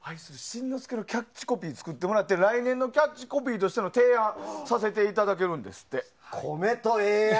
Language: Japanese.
新之助のキャッチコピーを作ってもらって来年のキャッチコピーとしての提案をさせていただけるんですって。